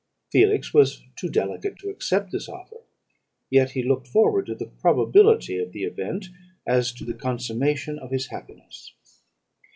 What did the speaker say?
Felix was too delicate to accept this offer; yet he looked forward to the probability of the event as to the consummation of his happiness.